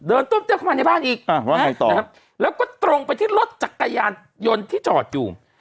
เดินตุ้มเตี๊บเข้ามาในบ้านอีกแล้วก็ตรงไปที่รถจากกายารยนต์ที่จอดอยู่